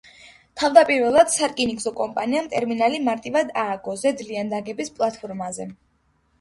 თავდაპირველად, სარკინიგზო კომპანიამ ტერმინალი მარტივად ააგო ზედ ლიანდაგების პლატფორმაზე.